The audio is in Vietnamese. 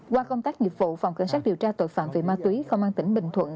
qua công tác nghiệp vụ phòng cảnh sát điều tra tội phạm về ma túy công an tỉnh bình thuận